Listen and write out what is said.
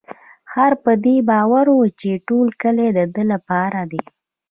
خر په دې باور و چې ټول کلي د ده لپاره دی.